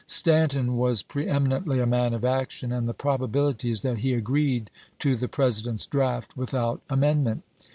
Stanton was preeminently a man of action, and the probability is that he agreed to the President's draft without amendment.